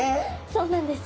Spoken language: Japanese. そうなんです。